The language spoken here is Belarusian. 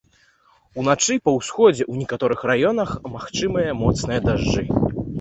Уначы па ўсходзе ў некаторых раёнах магчымыя моцныя дажджы.